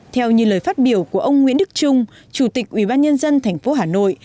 theo như lời phát biểu của ông nguyễn đức trung chủ tịch ubnd tp hà nội